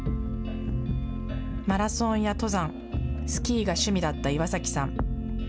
マラソンや登山、スキーが趣味だった岩崎さん。